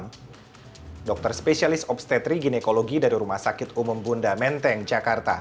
dokter spesialis dokter spesialis obstetri ginekologi dari rumah sakit umum bunda menteng jakarta